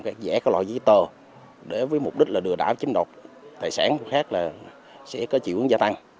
các giả có loại giấy tờ để với mục đích là lừa đảo chiếm đột tài sản của khác là sẽ có triệu ứng gia tăng